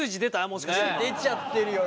もしかして今。出ちゃってるよ。